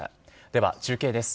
では中継です。